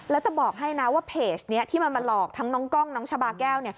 แล้วจะบอกให้นะว่าเพจนี้ที่มันมาหลอกทั้งน้องกล้องน้องชาบาแก้ว